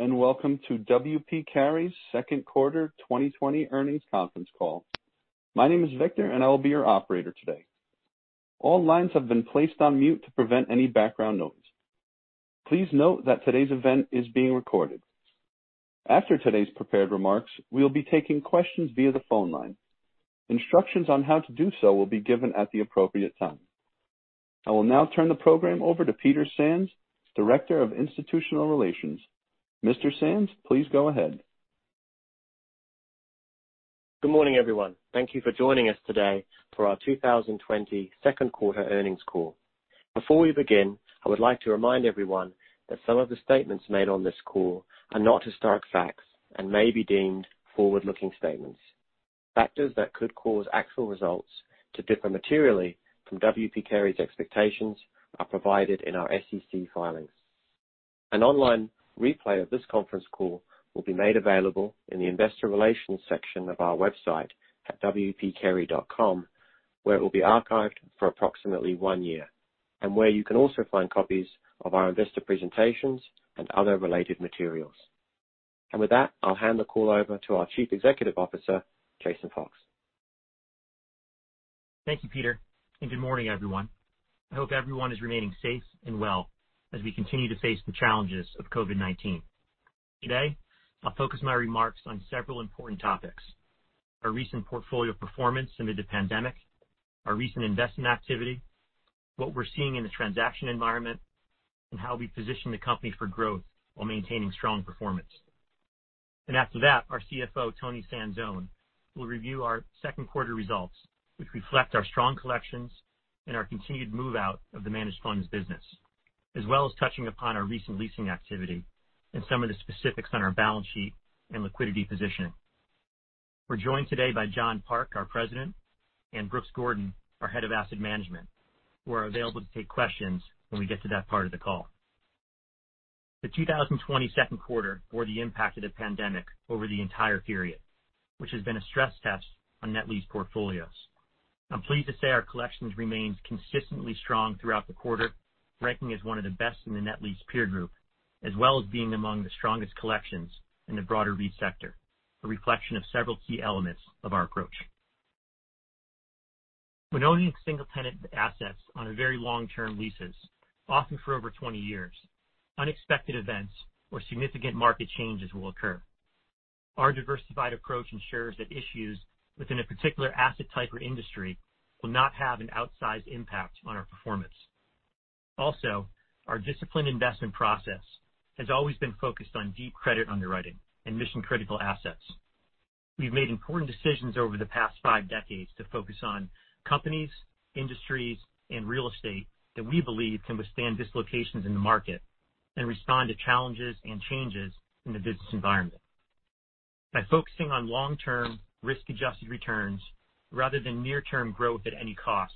Welcome to W. P. Carey's Second Quarter 2020 Earnings Conference Call. My name is Victor, and I will be your operator today. All lines have been placed on mute to prevent any background noise. Please note that today's event is being recorded. After today's prepared remarks, we'll be taking questions via the phone line. Instructions on how to do so will be given at the appropriate time. I will now turn the program over to Peter Sands, Director of Institutional Relations. Mr. Sands, please go ahead. Good morning, everyone. Thank you for joining us today for our 2020 Second Quarter Earnings Call. Before we begin, I would like to remind everyone that some of the statements made on this call are not historic facts and may be deemed forward-looking statements. Factors that could cause actual results to differ materially from W. P. Carey's expectations are provided in our SEC filings. An online replay of this conference call will be made available in the investor relations section of our website at wpcarey.com, where it will be archived for approximately one year, and where you can also find copies of our investor presentations and other related materials. With that, I'll hand the call over to our Chief Executive Officer, Jason Fox. Thank you, Peter, and good morning, everyone. I hope everyone is remaining safe and well as we continue to face the challenges of COVID-19. Today, I'll focus my remarks on several important topics. Our recent portfolio performance amid the pandemic, our recent investment activity, what we're seeing in the transaction environment, and how we position the company for growth while maintaining strong performance. After that, our CFO, Toni Sanzone, will review our second quarter results, which reflect our strong collections and our continued move-out of the managed funds business, as well as touching upon our recent leasing activity and some of the specifics on our balance sheet and liquidity positioning. We're joined today by John Park, our president, and Brooks Gordon, our head of asset management, who are available to take questions when we get to that part of the call. The 2020 second quarter bore the impact of the pandemic over the entire period, which has been a stress test on net lease portfolios. I'm pleased to say our collections remained consistently strong throughout the quarter, ranking as one of the best in the net lease peer group, as well as being among the strongest collections in the broader REIT sector, a reflection of several key elements of our approach. When owning single-tenant assets on very long-term leases, often for over 20 years, unexpected events or significant market changes will occur. Our diversified approach ensures that issues within a particular asset type or industry will not have an outsized impact on our performance. Also, our disciplined investment process has always been focused on deep credit underwriting and mission-critical assets. We've made important decisions over the past five decades to focus on companies, industries, and real estate that we believe can withstand dislocations in the market and respond to challenges and changes in the business environment. By focusing on long-term risk-adjusted returns rather than near-term growth at any cost,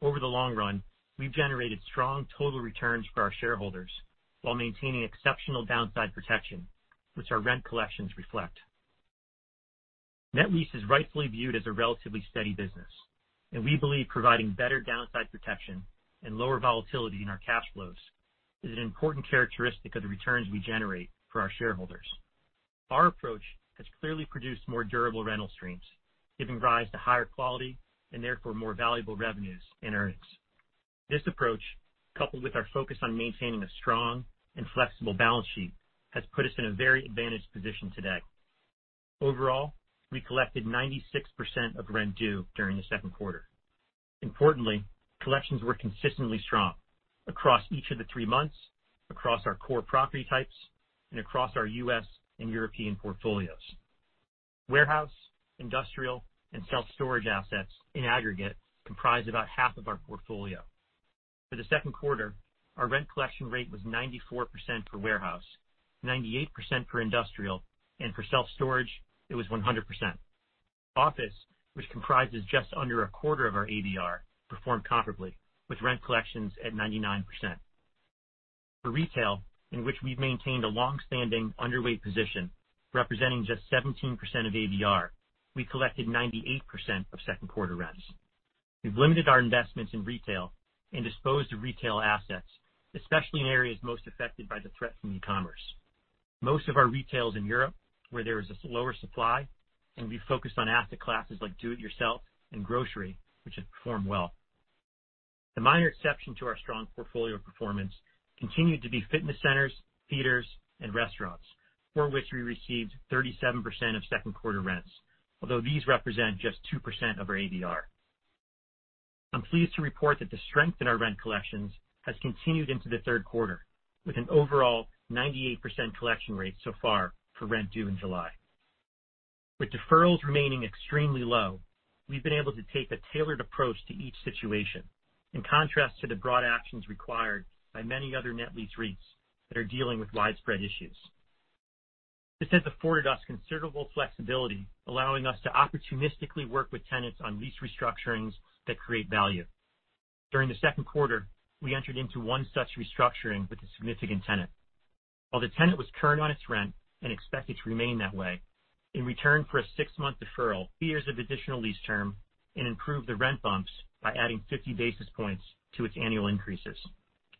over the long run, we've generated strong total returns for our shareholders while maintaining exceptional downside protection, which our rent collections reflect. Net lease is rightfully viewed as a relatively steady business, and we believe providing better downside protection and lower volatility in our cash flows is an important characteristic of the returns we generate for our shareholders. Our approach has clearly produced more durable rental streams, giving rise to higher quality and therefore more valuable revenues and earnings. This approach, coupled with our focus on maintaining a strong and flexible balance sheet, has put us in a very advantaged position today. Overall, we collected 96% of rent due during the second quarter. Importantly, collections were consistently strong across each of the three months, across our core property types, and across our U.S. and European portfolios. Warehouse, industrial, and self-storage assets in aggregate comprise about half of our portfolio. For the second quarter, our rent collection rate was 94% for warehouse, 98% for industrial, and for self-storage, it was 100%. Office, which comprises just under a quarter of our ABR, performed comparably with rent collections at 99%. For retail, in which we've maintained a longstanding underweight position representing just 17% of ABR, we collected 98% of second quarter rents. We've limited our investments in retail and disposed of retail assets, especially in areas most affected by the threat from e-commerce. Most of our retail is in Europe, where there is a lower supply, and we focused on asset classes like do-it-yourself and grocery, which have performed well. The minor exception to our strong portfolio performance continued to be fitness centers, theaters, and restaurants, for which we received 37% of second quarter rents, although these represent just 2% of our ABR. I'm pleased to report that the strength in our rent collections has continued into the third quarter, with an overall 98% collection rate so far for rent due in July. With deferrals remaining extremely low, we've been able to take a tailored approach to each situation, in contrast to the broad actions required by many other net lease REITs that are dealing with widespread issues. This has afforded us considerable flexibility, allowing us to opportunistically work with tenants on lease restructurings that create value. During the second quarter, we entered into one such restructuring with a significant tenant. While the tenant was current on its rent and expected to remain that way, in return for a six-month deferral, years of additional lease term, and improve the rent bumps by adding 50 basis points to its annual increases,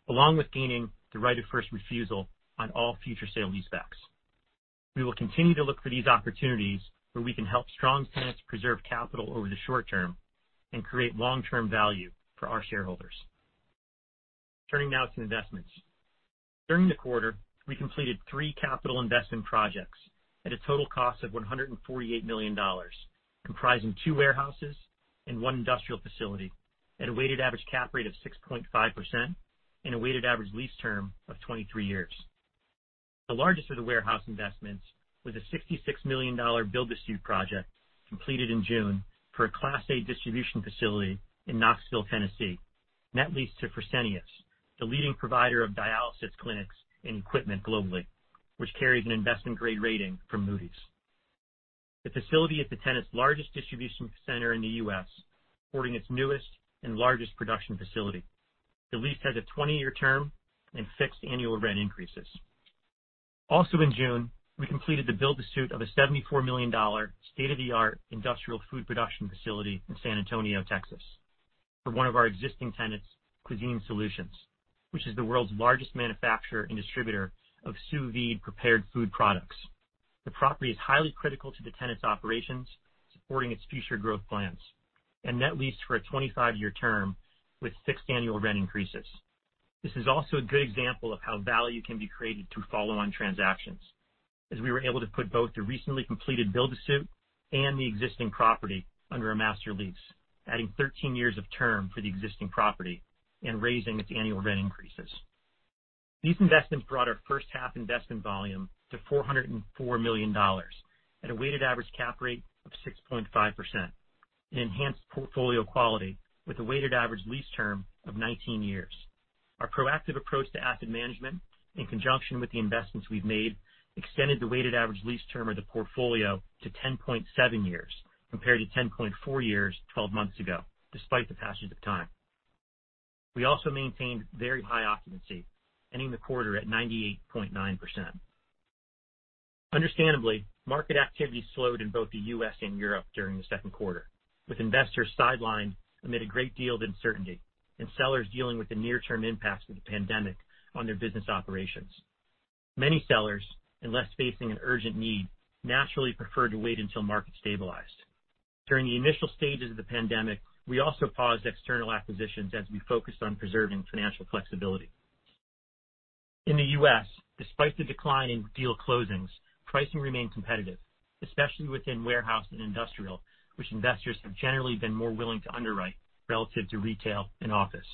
along with gaining the right of first refusal on all future sale-leasebacks. We will continue to look for these opportunities where we can help strong tenants preserve capital over the short term and create long-term value for our shareholders. Turning now to investments. During the quarter, we completed three capital investment projects at a total cost of $148 million, comprising two warehouses and one industrial facility at a weighted average cap rate of 6.5% and a weighted average lease term of 23 years. The largest of the warehouse investments was a $66 million build-to-suit project completed in June for a Class A distribution facility in Knoxville, Tennessee, net leased to Fresenius, the leading provider of dialysis clinics and equipment globally, which carries an investment-grade rating from Moody's. The facility is the tenant's largest distribution center in the U.S., supporting its newest and largest production facility. The lease has a 20-year term and fixed annual rent increases. Also in June, we completed the build-to-suit of a $74 million state-of-the-art industrial food production facility in San Antonio, Texas, for one of our existing tenants, Cuisine Solutions, which is the world's largest manufacturer and distributor of sous-vide prepared food products. The property is highly critical to the tenant's operations, supporting its future growth plans, net leased for a 25-year term with fixed annual rent increases. This is also a good example of how value can be created through follow-on transactions, as we were able to put both the recently completed build-to-suit and the existing property under a master lease, adding 13 years of term for the existing property and raising its annual rent increases. These investments brought our first half investment volume to $404 million at a weighted average cap rate of 6.5%, and enhanced portfolio quality with a weighted average lease term of 19 years. Our proactive approach to asset management, in conjunction with the investments we've made, extended the weighted average lease term of the portfolio to 10.7 years, compared to 10.4 years 12 months ago, despite the passage of time. We also maintained very high occupancy, ending the quarter at 98.9%. Understandably, market activity slowed in both the U.S. and Europe during the second quarter, with investors sidelined amid a great deal of uncertainty and sellers dealing with the near-term impacts of the pandemic on their business operations. Many sellers, unless facing an urgent need, naturally preferred to wait until markets stabilized. During the initial stages of the pandemic, we also paused external acquisitions as we focused on preserving financial flexibility. In the U.S., despite the decline in deal closings, pricing remained competitive, especially within warehouse and industrial, which investors have generally been more willing to underwrite relative to retail and office.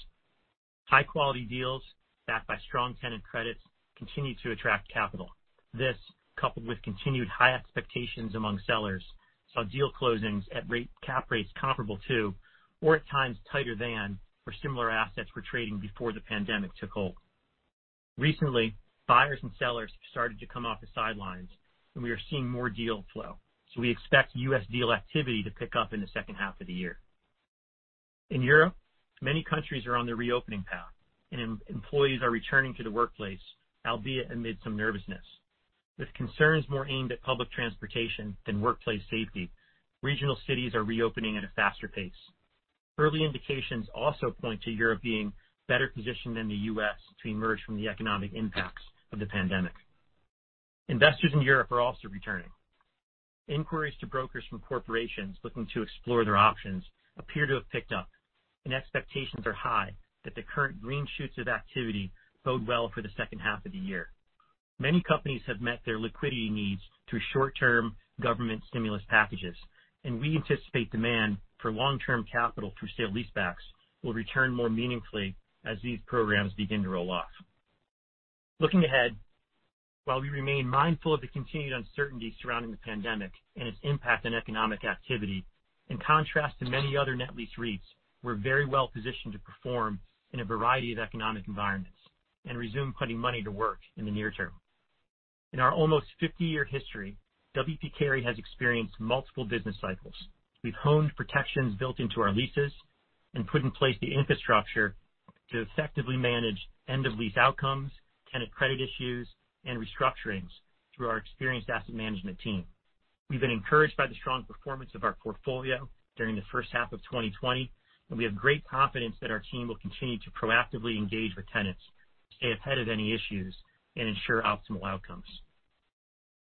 High-quality deals backed by strong tenant credits continued to attract capital. This, coupled with continued high expectations among sellers, saw deal closings at cap rates comparable to, or at times tighter than, where similar assets were trading before the pandemic took hold. Recently, buyers and sellers have started to come off the sidelines, and we are seeing more deal flow. We expect U.S. deal activity to pick up in the second half of the year. In Europe, many countries are on the reopening path, and employees are returning to the workplace, albeit amid some nervousness. With concerns more aimed at public transportation than workplace safety, regional cities are reopening at a faster pace. Early indications also point to Europe being better positioned than the U.S. to emerge from the economic impacts of the pandemic. Investors in Europe are also returning. Inquiries to brokers from corporations looking to explore their options appear to have picked up, and expectations are high that the current green shoots of activity bode well for the second half of the year. Many companies have met their liquidity needs through short-term government stimulus packages, and we anticipate demand for long-term capital through sale-leasebacks will return more meaningfully as these programs begin to roll off. Looking ahead, while we remain mindful of the continued uncertainty surrounding the pandemic and its impact on economic activity, in contrast to many other net lease REITs, we're very well positioned to perform in a variety of economic environments and resume putting money to work in the near term. In our almost 50-year history, W. P. Carey has experienced multiple business cycles. We've honed protections built into our leases and put in place the infrastructure to effectively manage end-of-lease outcomes, tenant credit issues, and restructurings through our experienced asset management team. We've been encouraged by the strong performance of our portfolio during the first half of 2020, and we have great confidence that our team will continue to proactively engage with tenants to stay ahead of any issues and ensure optimal outcomes.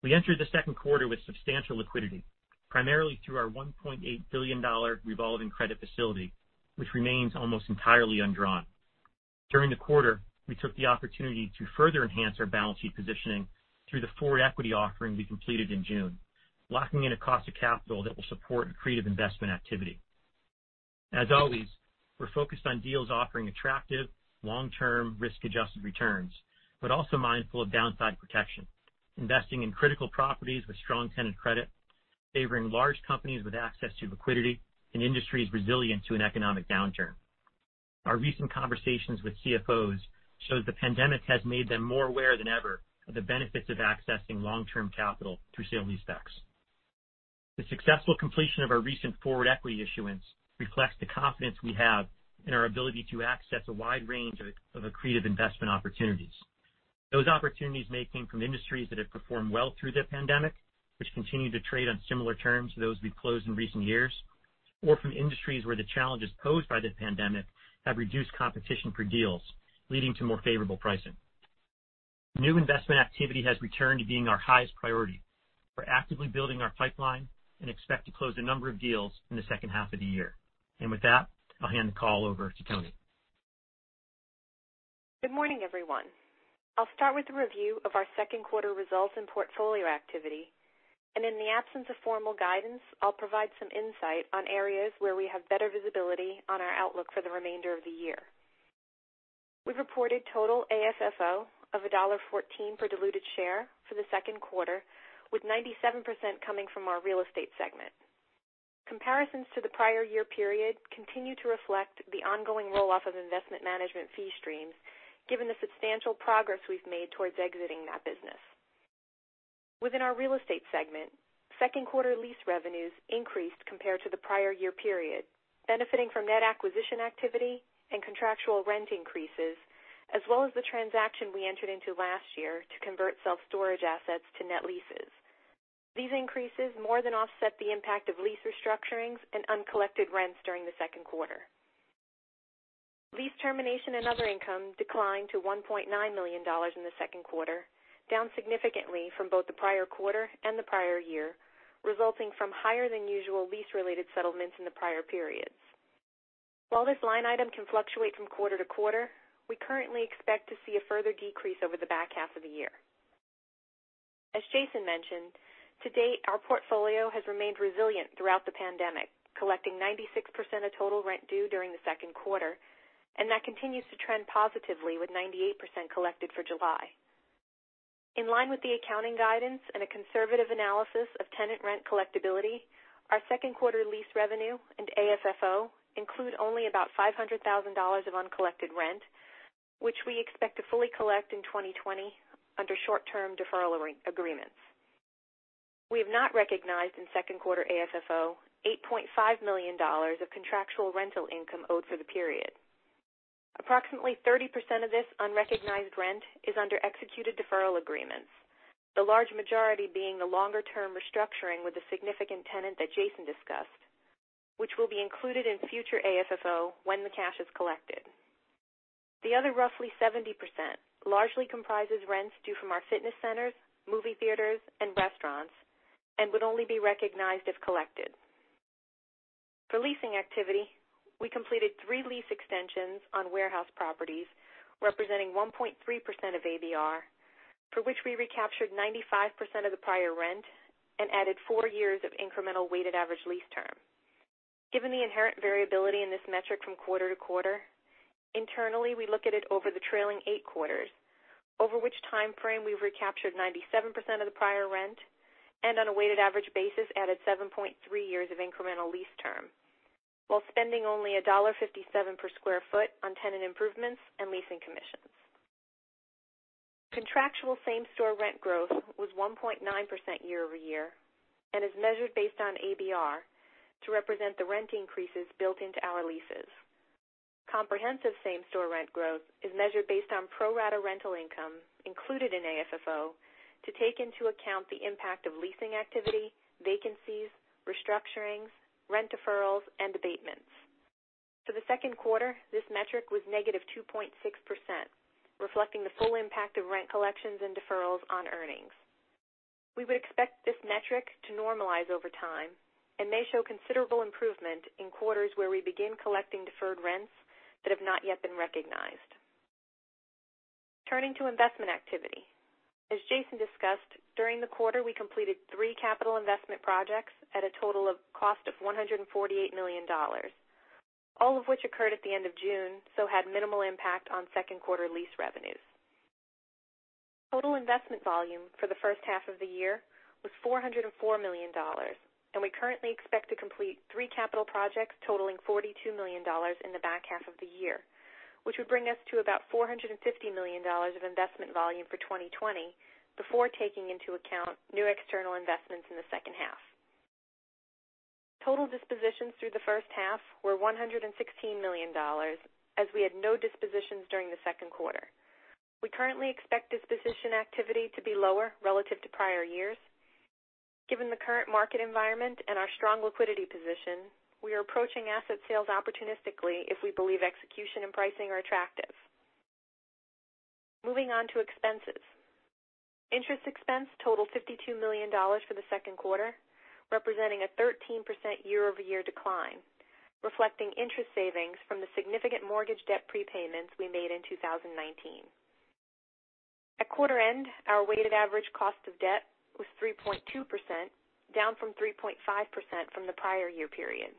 We entered the second quarter with substantial liquidity, primarily through our $1.8 billion revolving credit facility, which remains almost entirely undrawn. During the quarter, we took the opportunity to further enhance our balance sheet positioning through the forward equity offering we completed in June, locking in a cost of capital that will support accretive investment activity. As always, we're focused on deals offering attractive long-term risk-adjusted returns, but also mindful of downside protection, investing in critical properties with strong tenant credit, favoring large companies with access to liquidity, and industries resilient to an economic downturn. Our recent conversations with CFOs shows the pandemic has made them more aware than ever of the benefits of accessing long-term capital through sale-leasebacks. The successful completion of our recent forward equity issuance reflects the confidence we have in our ability to access a wide range of accretive investment opportunities. Those opportunities may come from industries that have performed well through the pandemic, which continue to trade on similar terms to those we've closed in recent years, or from industries where the challenges posed by the pandemic have reduced competition for deals, leading to more favorable pricing. New investment activity has returned to being our highest priority. We're actively building our pipeline and expect to close a number of deals in the second half of the year. With that, I'll hand the call over to Toni. Good morning, everyone. I'll start with a review of our second quarter results and portfolio activity. In the absence of formal guidance, I'll provide some insight on areas where we have better visibility on our outlook for the remainder of the year. We've reported total AFFO of $1.14 per diluted share for the second quarter, with 97% coming from our real estate segment. Comparisons to the prior year period continue to reflect the ongoing roll-off of investment management fee streams, given the substantial progress we've made towards exiting that business. Within our real estate segment, second quarter lease revenues increased compared to the prior year period, benefiting from net acquisition activity and contractual rent increases, as well as the transaction we entered into last year to convert self-storage assets to net leases. These increases more than offset the impact of lease restructurings and uncollected rents during the second quarter. Lease termination and other income declined to $1.9 million in the second quarter, down significantly from both the prior quarter and the prior year, resulting from higher than usual lease-related settlements in the prior periods. While this line item can fluctuate from quarter-to-quarter, we currently expect to see a further decrease over the back half of the year. As Jason mentioned, to date, our portfolio has remained resilient throughout the pandemic, collecting 96% of total rent due during the second quarter, and that continues to trend positively with 98% collected for July. In line with the accounting guidance and a conservative analysis of tenant rent collectability, our second quarter lease revenue and AFFO include only about $500,000 of uncollected rent, which we expect to fully collect in 2020 under short-term deferral agreements. We have not recognized in second quarter AFFO $8.5 million of contractual rental income owed for the period. Approximately 30% of this unrecognized rent is under executed deferral agreements, the large majority being the longer-term restructuring with a significant tenant that Jason discussed, which will be included in future AFFO when the cash is collected. The other roughly 70% largely comprises rents due from our fitness centers, movie theaters, and restaurants and would only be recognized if collected. For leasing activity, we completed three lease extensions on warehouse properties representing 1.3% of ABR, for which we recaptured 95% of the prior rent and added four years of incremental weighted average lease term. Given the inherent variability in this metric from quarter to quarter, internally, we look at it over the trailing eight quarters, over which timeframe we've recaptured 97% of the prior rent and on a weighted average basis, added 7.3 years of incremental lease term while spending only $1.57 per square foot on tenant improvements and leasing commissions. Contractual same-store rent growth was 1.9% year-over-year and is measured based on ABR to represent the rent increases built into our leases. Comprehensive same-store rent growth is measured based on pro rata rental income included in AFFO to take into account the impact of leasing activity, vacancies, restructurings, rent deferrals, and abatements. For the second quarter, this metric was -2.6%, reflecting the full impact of rent collections and deferrals on earnings. We would expect this metric to normalize over time and may show considerable improvement in quarters where we begin collecting deferred rents that have not yet been recognized. Turning to investment activity. As Jason discussed, during the quarter, we completed three capital investment projects at a total cost of $148 million, all of which occurred at the end of June, so had minimal impact on second quarter lease revenues. Total investment volume for the first half of the year was $404 million. We currently expect to complete three capital projects totaling $42 million in the back half of the year, which would bring us to about $450 million of investment volume for 2020 before taking into account new external investments in the second half. Total dispositions through the first half were $116 million as we had no dispositions during the second quarter. We currently expect disposition activity to be lower relative to prior years. Given the current market environment and our strong liquidity position, we are approaching asset sales opportunistically if we believe execution and pricing are attractive. Moving on to expenses. Interest expense totaled $52 million for the second quarter, representing a 13% year-over-year decline, reflecting interest savings from the significant mortgage debt prepayments we made in 2019. At quarter end, our weighted average cost of debt was 3.2%, down from 3.5% from the prior year period.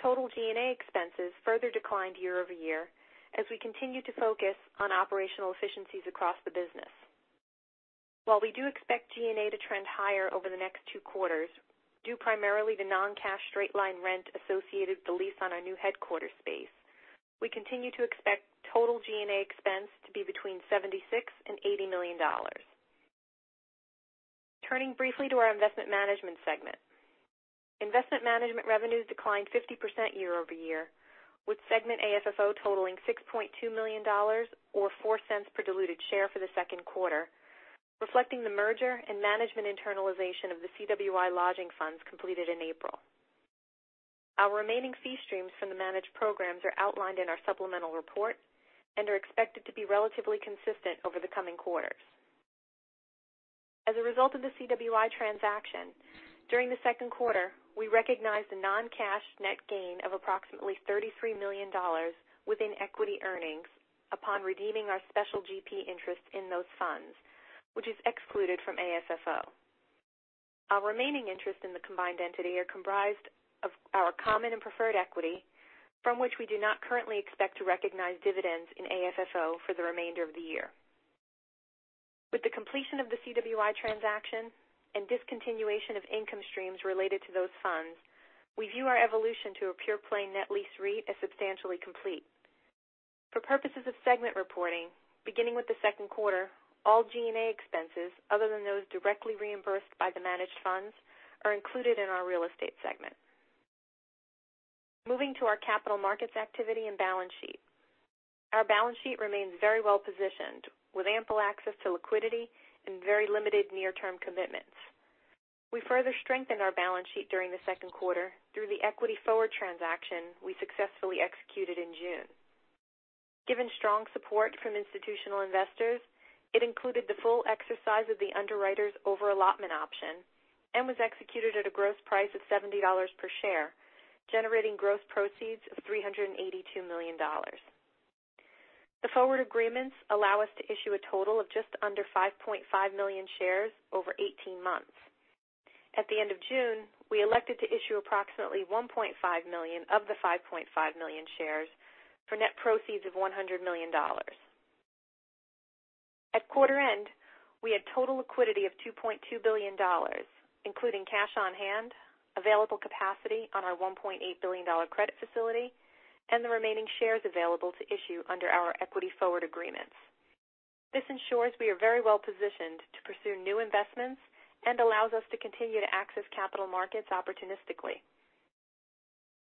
Total G&A expenses further declined year-over-year as we continue to focus on operational efficiencies across the business. While we do expect G&A to trend higher over the next two quarters, due primarily to non-cash straight-line rent associated with the lease on our new headquarter space. We continue to expect total G&A expense to be between $76 million and $80 million. Turning briefly to our Investment Management segment. Investment Management revenues declined 50% year-over-year, with segment AFFO totaling $6.2 million, or $0.04 per diluted share for the second quarter, reflecting the merger and management internalization of the CWI lodging funds completed in April. Our remaining fee streams from the managed programs are outlined in our supplemental report and are expected to be relatively consistent over the coming quarters. As a result of the CWI transaction, during the second quarter, we recognized a non-cash net gain of approximately $33 million within equity earnings upon redeeming our special GP interest in those funds, which is excluded from AFFO. Our remaining interest in the combined entity are comprised of our common and preferred equity, from which we do not currently expect to recognize dividends in AFFO for the remainder of the year. With the completion of the CWI transaction and discontinuation of income streams related to those funds, we view our evolution to a pure-play net lease REIT as substantially complete. For purposes of segment reporting, beginning with the second quarter, all G&A expenses, other than those directly reimbursed by the managed funds, are included in our real estate segment. Moving to our capital markets activity and balance sheet. Our balance sheet remains very well positioned, with ample access to liquidity and very limited near-term commitments. We further strengthened our balance sheet during the second quarter through the equity forward transaction we successfully executed in June. Given strong support from institutional investors, it included the full exercise of the underwriter's over-allotment option and was executed at a gross price of $70 per share, generating gross proceeds of $382 million. The forward agreements allow us to issue a total of just under 5.5 million shares over 18 months. At the end of June, we elected to issue approximately 1.5 million of the 5.5 million shares for net proceeds of $100 million. At quarter end, we had total liquidity of $2.2 billion, including cash on hand, available capacity on our $1.8 billion credit facility, and the remaining shares available to issue under our equity forward agreements. This ensures we are very well positioned to pursue new investments and allows us to continue to access capital markets opportunistically.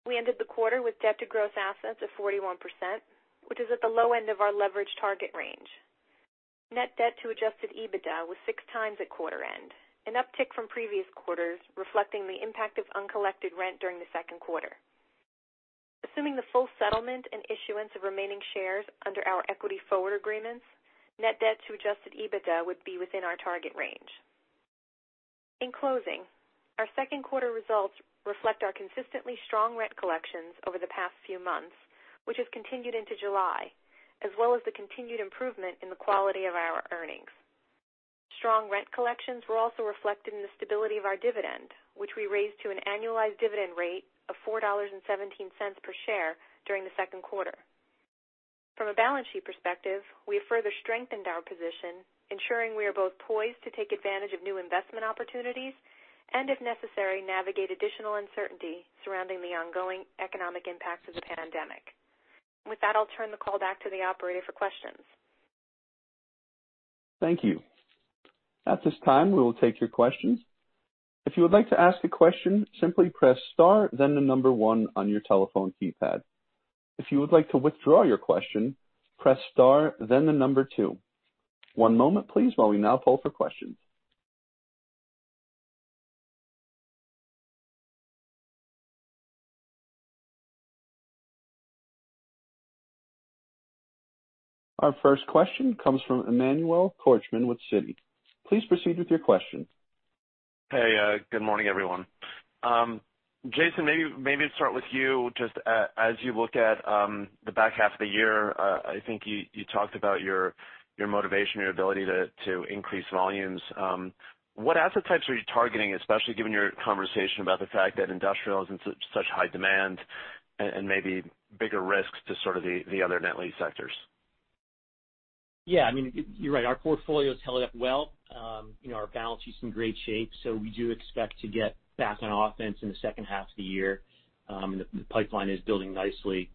We ended the quarter with debt to gross assets of 41%, which is at the low end of our leverage target range. Net debt to adjusted EBITDA was 6x at quarter end, an uptick from previous quarters, reflecting the impact of uncollected rent during the second quarter. Assuming the full settlement and issuance of remaining shares under our equity forward agreements, net debt to adjusted EBITDA would be within our target range. In closing, our second quarter results reflect our consistently strong rent collections over the past few months, which has continued into July, as well as the continued improvement in the quality of our earnings. Strong rent collections were also reflected in the stability of our dividend, which we raised to an annualized dividend rate of $4.17 per share during the second quarter. From a balance sheet perspective, we have further strengthened our position, ensuring we are both poised to take advantage of new investment opportunities and, if necessary, navigate additional uncertainty surrounding the ongoing economic impacts of the pandemic. With that, I'll turn the call back to the operator for questions. Thank you. At this time, we will take your questions. If you would like to ask a question, simply press star, then the number one on your telephone keypad. If you would like to withdraw your question, press star, then the number two. One moment, please, while we now poll for questions. Our first question comes from Emmanuel Korchman with Citi. Please proceed with your question. Hey, good morning, everyone. Jason, maybe start with you. Just as you look at the back half of the year, I think you talked about your motivation, your ability to increase volumes. What asset types are you targeting, especially given your conversation about the fact that industrial is in such high demand and maybe bigger risks to sort of the other net lease sectors? Yeah. You're right. Our portfolio's held up well. Our balance sheet's in great shape, so we do expect to get back on offense in the second half of the year. The pipeline is building nicely.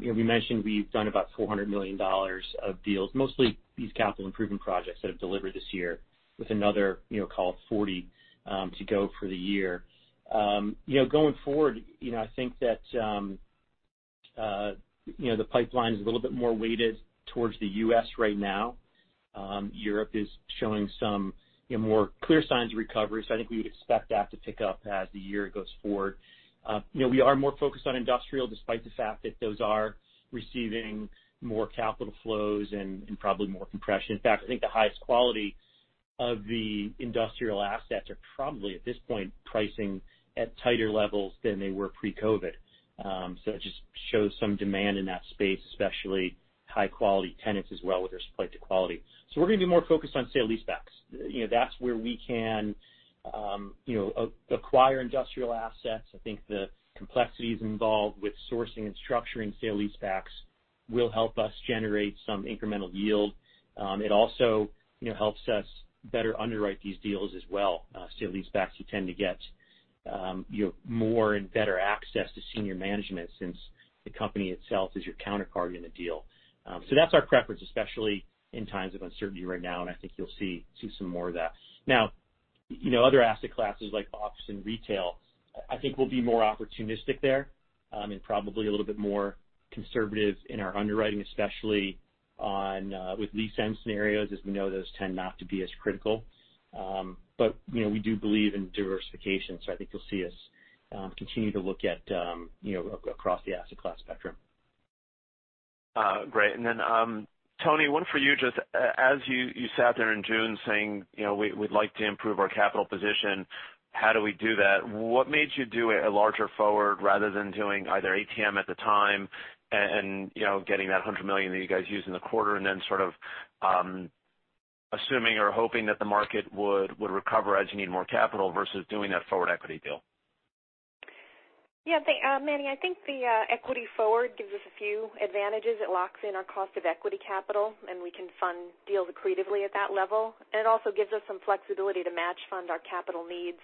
We mentioned we've done about $400 million of deals, mostly these capital improvement projects that have delivered this year with another call it 40 to go for the year. Going forward, I think that the pipeline is a little bit more weighted towards the U.S. right now. Europe is showing some more clear signs of recovery, so I think we would expect that to pick up as the year goes forward. We are more focused on industrial, despite the fact that those are receiving more capital flows and probably more compression. In fact, I think the highest quality of the industrial assets are probably, at this point, pricing at tighter levels than they were pre-COVID. It just shows some demand in that space, especially high-quality tenants as well with respect to quality. We're going to be more focused on sale-leasebacks. That's where we can acquire industrial assets. I think the complexities involved with sourcing and structuring sale-leasebacks Will help us generate some incremental yield. It also helps us better underwrite these deals as well. Sale-leasebacks, you tend to get more and better access to senior management since the company itself is your counterparty in the deal. That's our preference, especially in times of uncertainty right now, and I think you'll see some more of that. Now, other asset classes like office and retail, I think we'll be more opportunistic there, and probably a little bit more conservative in our underwriting, especially with lease end scenarios, as we know those tend not to be as critical. We do believe in diversification, so I think you'll see us continue to look at across the asset class spectrum. Great. Toni, one for you, just as you sat there in June saying, "We'd like to improve our capital position. How do we do that?" What made you do a larger forward rather than doing either ATM at the time and getting that $100 million that you guys used in the quarter and then sort of assuming or hoping that the market would recover as you need more capital versus doing that forward equity deal? Yeah. Manny, I think the equity forward gives us a few advantages. It locks in our cost of equity capital, and we can fund deals accretively at that level. It also gives us some flexibility to match fund our capital needs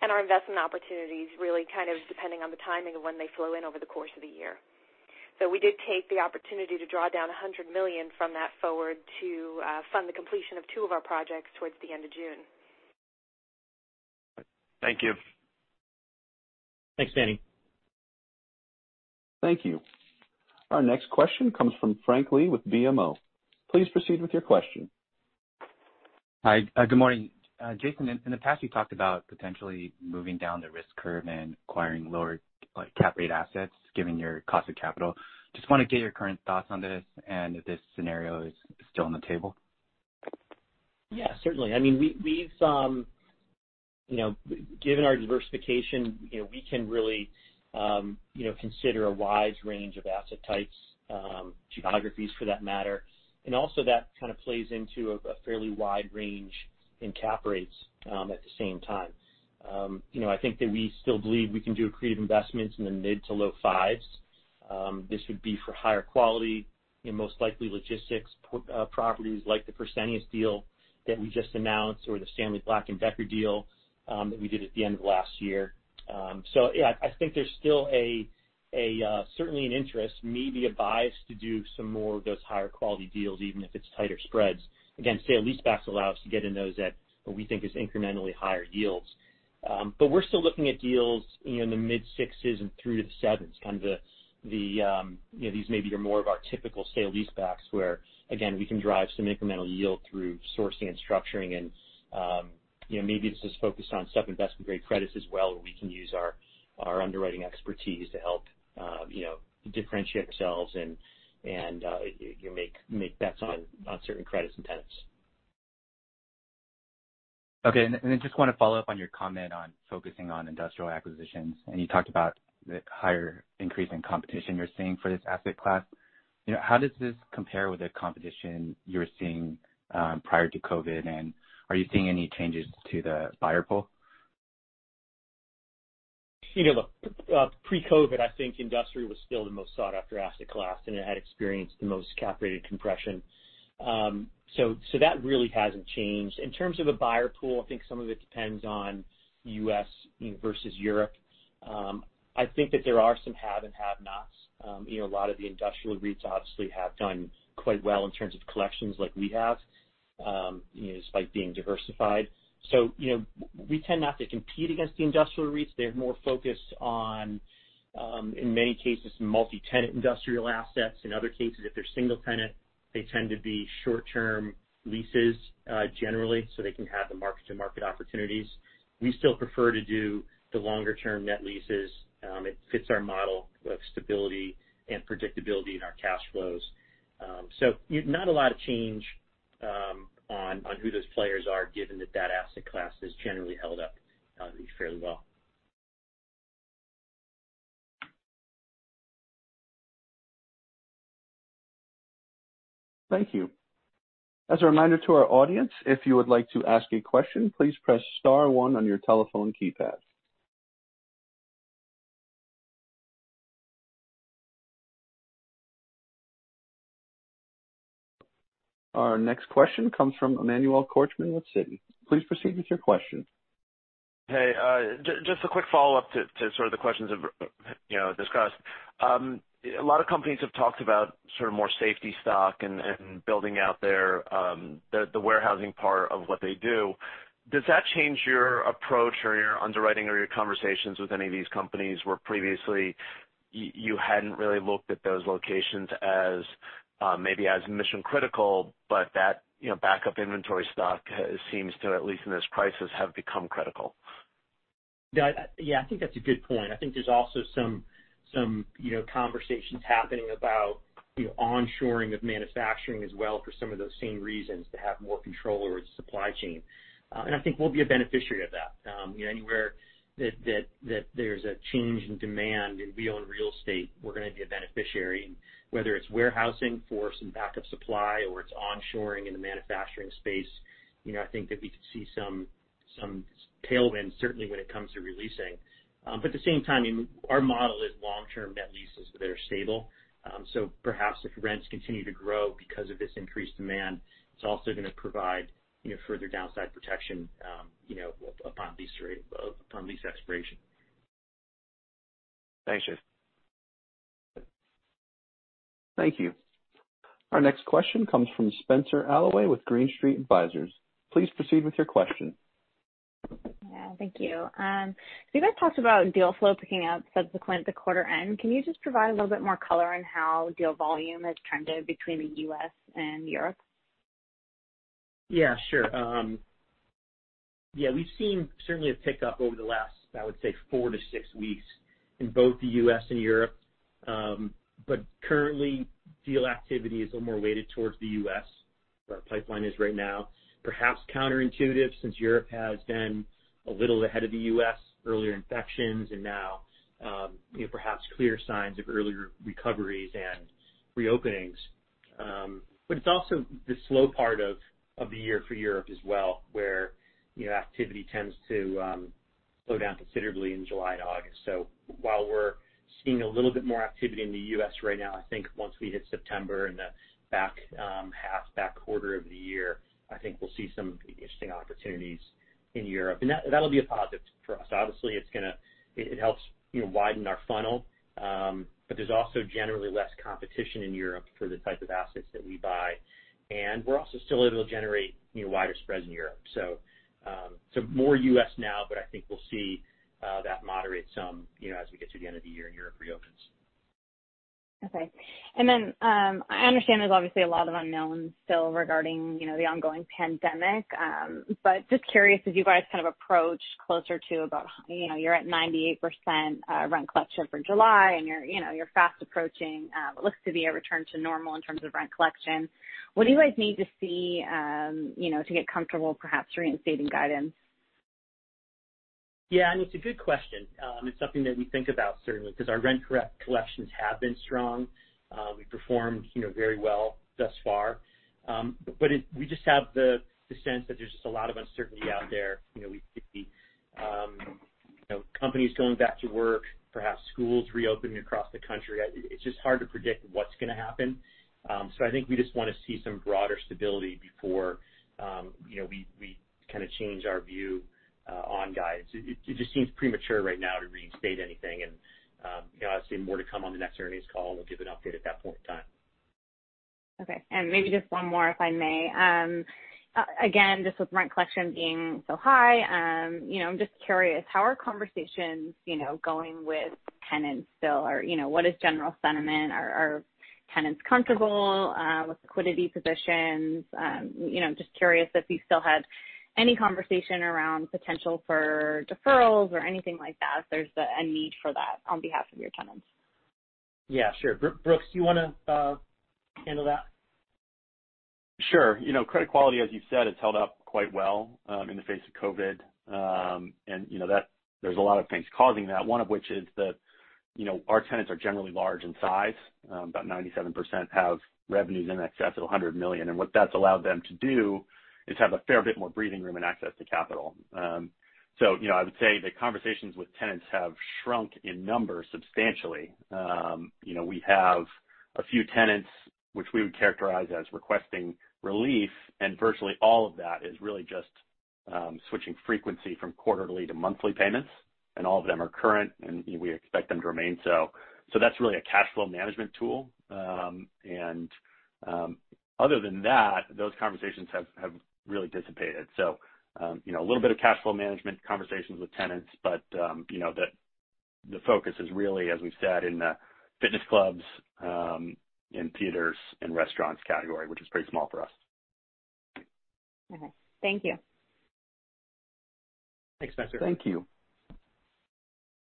and our investment opportunities, really kind of depending on the timing of when they flow in over the course of the year. We did take the opportunity to draw down $100 million from that forward to fund the completion of two of our projects towards the end of June. Thank you. Thanks, Manny. Thank you. Our next question comes from Frank Lee with BMO. Please proceed with your question. Hi. Good morning. Jason, in the past, you talked about potentially moving down the risk curve and acquiring lower cap rate assets given your cost of capital. Just want to get your current thoughts on this and if this scenario is still on the table. Yeah, certainly. Given our diversification we can really consider a wide range of asset types, geographies for that matter. Also that kind of plays into a fairly wide range in cap rates at the same time. I think that we still believe we can do accretive investments in the mid- to low-5%. This would be for higher quality and most likely logistics properties like the Fresenius deal that we just announced or the Stanley Black & Decker deal that we did at the end of last year. Yeah, I think there's still certainly an interest, maybe a bias to do some more of those higher quality deals, even if it's tighter spreads. Again, sale-leasebacks allow us to get in those at what we think is incrementally higher yields. We're still looking at deals in the mid-6% and through to the 7%. Kind of these maybe are more of our typical sale-leasebacks, where again, we can drive some incremental yield through sourcing and structuring, maybe it's just focused on such investment grade credits as well, where we can use our underwriting expertise to help differentiate ourselves and make bets on certain credits and tenants. Okay. Just want to follow up on your comment on focusing on industrial acquisitions, and you talked about the higher increase in competition you're seeing for this asset class. How does this compare with the competition you were seeing prior to COVID, and are you seeing any changes to the buyer pool? Pre-COVID, I think industry was still the most sought-after asset class. It had experienced the most cap rate compression. So, that really hasn't changed. In terms of a buyer pool, I think some of it depends on U.S. versus Europe. I think that there are some have and have-nots. A lot of the industrial REITs obviously have done quite well in terms of collections like we have despite being diversified. We tend not to compete against the industrial REITs. They're more focused on in many cases, multi-tenant industrial assets. In other cases, if they're single tenant, they tend to be short-term leases generally. They can have the mark-to-market opportunities. We still prefer to do the longer-term net leases. It fits our model of stability and predictability in our cash flows. Not a lot of change on who those players are, given that that asset class has generally held up fairly well. Thank you. As a reminder to our audience, if you would like to ask a question, please press star one on your telephone keypad. Our next question comes from Emmanuel Korchman with Citi. Please proceed with your question. Hey. Just a quick follow-up to sort of the questions discussed. A lot of companies have talked about sort of more safety stock and building out the warehousing part of what they do. Does that change your approach or your underwriting or your conversations with any of these companies where previously you hadn't really looked at those locations as maybe as mission-critical, but that backup inventory stock seems to, at least in this crisis, have become critical? Yeah, I think that's a good point. I think there's also some conversations happening about onshoring of manufacturing as well for some of those same reasons, to have more control over the supply chain. I think we'll be a beneficiary of that. Anywhere that there's a change in demand, and we own real estate, we're going to be a beneficiary. Whether it's warehousing for some backup supply or it's onshoring in the manufacturing space, I think that we could see some tailwind, certainly when it comes to releasing. At the same time, our model is long-term net leases that are stable. Perhaps if rents continue to grow because of this increased demand, it's also going to provide further downside protection upon lease expiration. Thanks. Thank you. Our next question comes from Spenser Allaway with Green Street Advisors. Please proceed with your question. Thank you. You guys talked about deal flow picking up subsequent to quarter end. Can you just provide a little bit more color on how deal volume has trended between the U.S. and Europe? Yeah, sure. We've seen certainly a tick up over the last, I would say four to six weeks in both the U.S. and Europe. Currently deal activity is a little more weighted towards the U.S., where our pipeline is right now. Perhaps counterintuitive, since Europe has been a little ahead of the U.S., earlier infections and now perhaps clearer signs of earlier recoveries and reopenings. It's also the slow part of the year for Europe as well, where activity tends to slow down considerably in July and August. While we're seeing a little bit more activity in the U.S. right now, I think once we hit September and the back half, back quarter of the year, I think we'll see some interesting opportunities in Europe. That'll be a positive for us. Obviously, it helps widen our funnel. There's also generally less competition in Europe for the types of assets that we buy. We're also still able to generate wider spreads in Europe. More U.S. now, but I think we'll see that moderate some as we get to the end of the year and Europe reopens. Okay. I understand there's obviously a lot of unknowns still regarding the ongoing pandemic. But just curious as you guys kind of approach closer to about how you're at 98% rent collection for July and you're fast approaching what looks to be a return to normal in terms of rent collection. What do you guys need to see to get comfortable perhaps reinstating guidance? Yeah, it's a good question. It's something that we think about certainly because our rent collections have been strong. We've performed very well thus far. We just have the sense that there's just a lot of uncertainty out there. We see companies going back to work, perhaps schools reopening across the country. It's just hard to predict what's going to happen. I think we just want to see some broader stability before we kind of change our view on guidance. It just seems premature right now to reinstate anything. Obviously more to come on the next earnings call. We'll give an update at that point in time. Okay. Maybe just one more, if I may. Again, just with rent collection being so high, I'm just curious, how are conversations going with tenants still? What is general sentiment? Are tenants comfortable with liquidity positions? Just curious if you've still had any conversation around potential for deferrals or anything like that, if there's a need for that on behalf of your tenants? Yeah, sure. Brooks, do you want to handle that? Sure. Credit quality, as you've said, has held up quite well in the face of COVID. There's a lot of things causing that, one of which is that our tenants are generally large in size. About 97% have revenues in excess of $100 million. What that's allowed them to do is have a fair bit more breathing room and access to capital. I would say the conversations with tenants have shrunk in number substantially. We have a few tenants which we would characterize as requesting relief, virtually all of that is really just switching frequency from quarterly to monthly payments, all of them are current and we expect them to remain so. That's really a cash flow management tool. Other than that, those conversations have really dissipated. A little bit of cash flow management conversations with tenants, but the focus is really, as we've said, in the fitness clubs, in theaters and restaurants category, which is pretty small for us. Okay. Thank you. Thanks, Spenser. Thank you.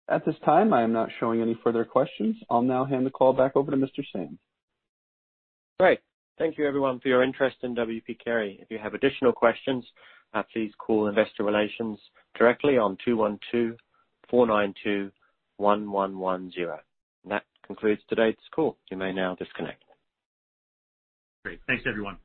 At this time, I am not showing any further questions. I'll now hand the call back over to Mr. Sands. Great. Thank you everyone for your interest in W. P. Carey. If you have additional questions, please call investor relations directly on 212-492-1110. That concludes today's call. You may now disconnect. Great. Thanks, everyone.